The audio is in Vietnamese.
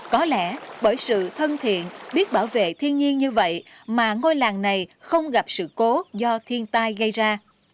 có lẽ bởi sự thân thiện biết bảo vệ thiên nhiên như vậy mà ngôi làng này không gặp sự cố do thiên tai gây ra